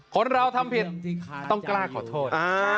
คนเราทำผิดต้องกล้าขอโทษ